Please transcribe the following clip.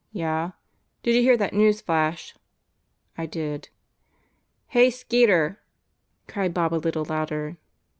"Yeah?" "Did you hear that news flash?" "I did." "Hey, Skeeter!" cried Bob a little louder.